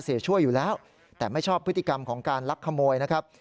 ช่วยอยู่แล้วแต่ไม่ชอบพฤติกรรมของการลักขโมยนะครับ